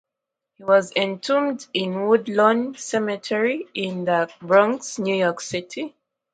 He was entombed in Woodlawn Cemetery in The Bronx, New York City.